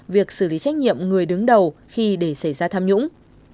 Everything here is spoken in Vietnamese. việc xử lý trách nhiệm người đứng đầu khi để xảy ra tham nhũng